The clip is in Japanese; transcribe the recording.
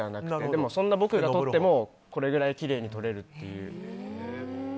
でも、そんな僕が撮ってもこれくらいきれいに撮れるという。